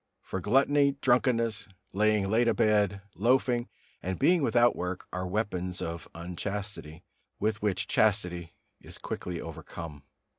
For gluttony, drunkenness, lying late abed, loafing and being without work are weapons of unchastity, with which chastity is quickly overcome.